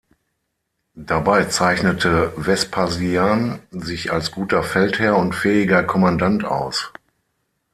Dabei zeichnete Vespasian sich als guter Feldherr und fähiger Kommandant aus.